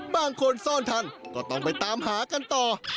บางคนซ่อนทันก็ต้องไปตามหากันต่อ